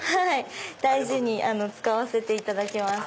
大事に使わせていただきます。